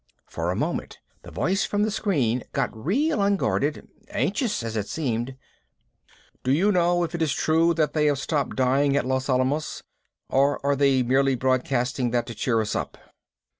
For a moment the voice from the screen got real unguarded anxious as it asked, "Do you know if it is true that they have stopped dying at Los Alamos, or are they merely broadcasting that to cheer us up?"